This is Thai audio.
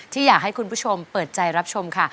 อยากให้คุณผู้ชมเปิดใจรับชมค่ะ